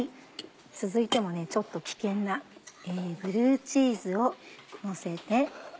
続いてもねちょっと危険なブルーチーズをのせて。